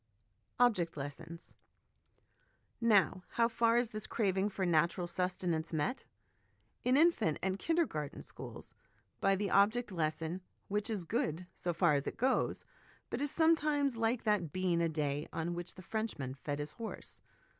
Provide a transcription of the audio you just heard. Object Lessons. Now, how far is this craving for natural sustenance met? In infant and kinder garten schools, by the object lesson, which is good so far as it goes, but is sometimes like that bean a day on which the Frenchman fed his horse.